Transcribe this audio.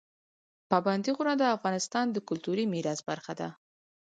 پابندی غرونه د افغانستان د کلتوري میراث برخه ده.